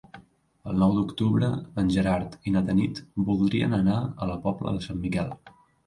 El nou d'octubre en Gerard i na Tanit voldrien anar a la Pobla de Sant Miquel.